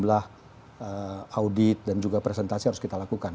audit dan juga presentasi harus kita lakukan